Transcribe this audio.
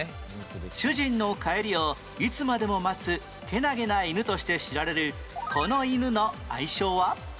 主人の帰りをいつまでも待つけなげな犬として知られるこの犬の愛称は？